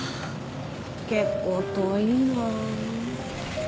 結構遠いな。